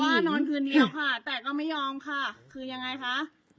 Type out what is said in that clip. ว่านอนคืนเดียวค่ะแต่ก็ไม่ยอมค่ะคือยังไงคะ